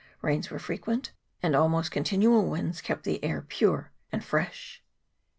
Rains were frequent ; and almost continual winds kept the air pure and fresh. VOL.